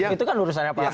oh itu kan urusan yang ramah